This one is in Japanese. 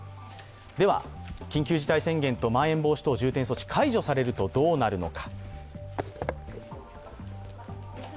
では、緊急事態宣言とまん延防止等重点措置解除されるとどうなるのか。